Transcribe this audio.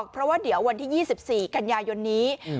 เพราะว่าเดี๋ยววันที่๒๔กันยายนนี้